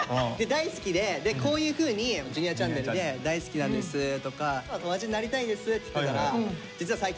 大好きでこういうふうにＪｒ．チャンネルで大好きなんですとか友達なりたいですって言ってたらえ！